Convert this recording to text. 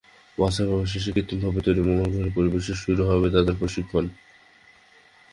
বাছাইপর্ব শেষে কৃত্রিমভাবে তৈরি মঙ্গল গ্রহের পরিবেশে শুরু হবে তাঁদের প্রশিক্ষণ।